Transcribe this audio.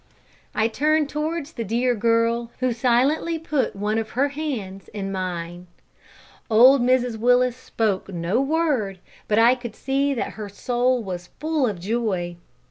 I turned towards the dear girl, who silently put one of her hands in mine. Old Mrs Willis spoke no word, but I could see that her soul was full of joy.